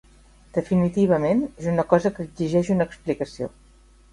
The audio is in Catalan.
Definitivament, és una cosa que exigeix una explicació.